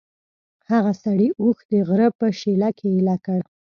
هغه سړي اوښ د غره په شېله کې ایله کړ.